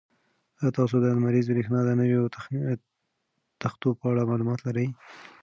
ایا تاسو د لمریزې برېښنا د نویو تختو په اړه معلومات لرئ؟